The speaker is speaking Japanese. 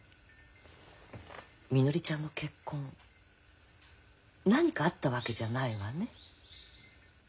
みのりちゃんの結婚何かあったわけじゃないわね？